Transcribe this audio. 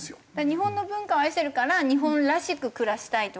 日本の文化を愛してるから日本らしく暮らしたいとか。